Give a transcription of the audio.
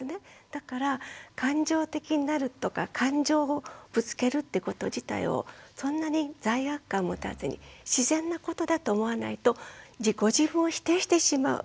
だから感情的になるとか感情をぶつけるってこと自体をそんなに罪悪感を持たずに自然なことだと思わないとご自分を否定してしまう。